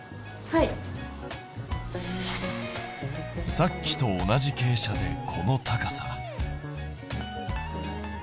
さっきと同じ傾斜でこの高さだ。